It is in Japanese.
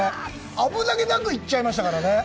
危なげなく行っちゃいましたからね。